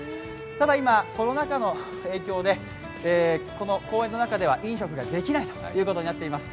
ただ、今、コロナ禍の影響でこの公園の中では飲食ができないことになっています。